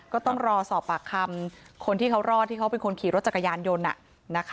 ก็ต้องรอสอบปากคำคนที่เขารอดที่เขาเป็นคนขี่รถจักรยานยนต์